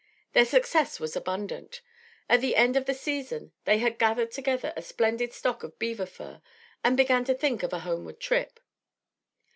Their success was abundant. At the end of the season they had gathered together a splendid stock of beaver fur and began to think of a homeward trip.